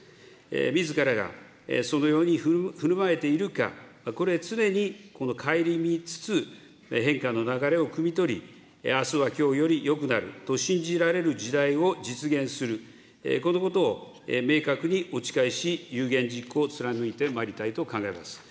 みずからがそのようにふるまえているか、これ、常に省みつつ、変化の流れをくみ取り、あすはきょうよりよくなると信じられる時代を実現する、このことを明確にお誓いし、有言実行を貫いてまいりたいと考えています。